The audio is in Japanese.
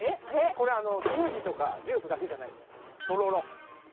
これあのスムージーとかジュースだけじゃないんですとろろ！？